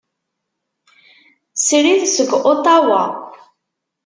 Srid seg Otawa.